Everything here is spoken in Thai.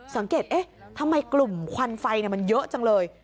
สังเกตเอ๊ะทำไมกลุ่มควันไฟมันเยอะจังเลย